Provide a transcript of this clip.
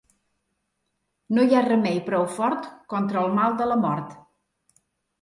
No hi ha remei prou fort contra el mal de la mort.